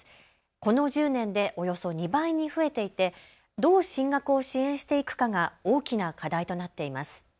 この１０年でおよそ２倍に増えていて、どう進学を支援していくかが大きな課題となっています。